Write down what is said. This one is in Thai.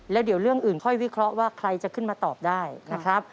แล้วเดี๋ยวเรื่องอื่นค่อยวิเคราะห์ว่าใครจะขึ้นมาตอบได้นะครับ